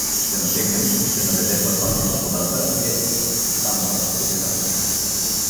Ще натегнем, ще наведем върбата над водата и ето ти — станала добрината.